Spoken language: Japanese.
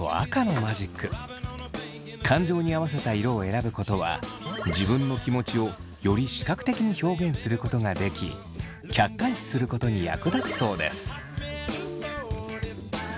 感情に合わせた色を選ぶことは自分の気持ちをより視覚的に表現することができ客観視することに役立つそうです。